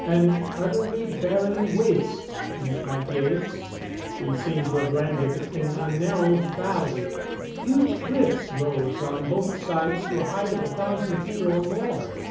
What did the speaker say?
An utterly barren waste met my gaze. We seemed to have landed in a narrow valley. Huge cliffs rose on both sides to a height of a thousand feet or more.